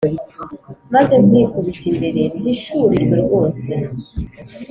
Maze Nkwikubise imbere Mpishurirwe Rwose